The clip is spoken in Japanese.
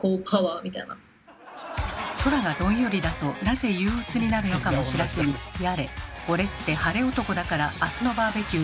空がドンヨリだとなぜ憂鬱になるのかも知らずにやれ「俺って晴れ男だから明日のバーベキュー